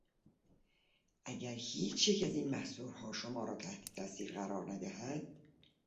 اگر هیچیک از این محضورها شما را تحت تاثیر قرار ندهد